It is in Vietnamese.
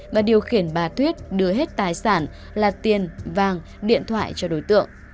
và điều khiển bà tuyết đưa hết tài sản là tiền vàng điện thoại cho đối tượng